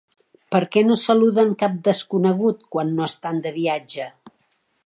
¿Per què no saluden cap desconegut, quan no estan de viatge?